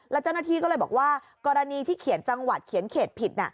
แล้วเจ้าหน้าที่ก็เลยบอกว่ากรณีที่เขียนจังหวัดเขียนเขตผิด